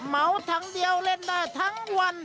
เหมาถังเดียวเล่นได้ทั้งวัน